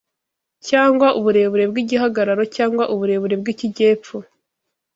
cyangwa uburebure bw’igihagararo, cyangwa uburebure bw’ikijyepfo